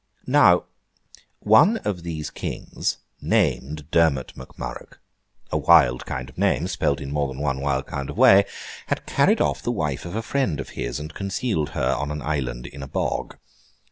Now, one of these Kings, named Dermond Mac Murrough (a wild kind of name, spelt in more than one wild kind of way), had carried off the wife of a friend of his, and concealed her on an island in a bog.